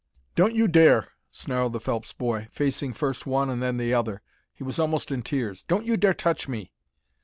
"Don't you dare!" snarled the Phelps boy, facing first one and then the other; he was almost in tears "don't you dare touch me!"